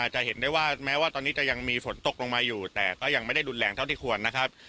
จะเห็นได้ว่าแม้ว่าตอนนี้จะยังมีฝนตกลงมาอยู่แต่ก็ยังไม่ได้รุนแรงเท่าที่ควรนะครับ